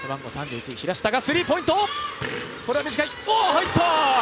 入った！